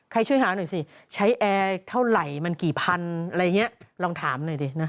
ช่วยหาหน่อยสิใช้แอร์เท่าไหร่มันกี่พันอะไรอย่างนี้ลองถามหน่อยดินะ